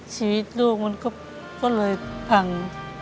ชีวิตลูกมันก็เลยพัง